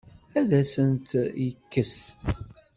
Ad asent-tt-yekkes?